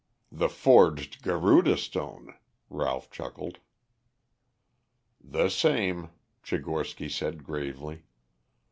"The forged Garuda stone," Ralph chuckled. "The same," Tchigorsky said gravely.